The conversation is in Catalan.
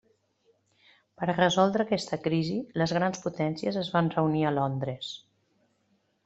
Per resoldre aquesta crisi, les grans potències es van reunir a Londres.